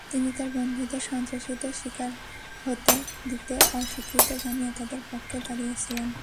তিনি তাঁর বন্ধুদের সন্ত্রাসীদের শিকার হতে দিতে অস্বীকৃতি জানিয়ে তাঁদের পক্ষে দাঁড়িয়েছিলেন।